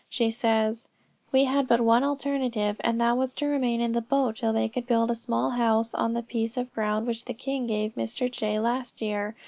She says, "We had but one alternative, and that was to remain in the boat till they could build a small house on the piece of ground which the king gave to Mr. J. last year.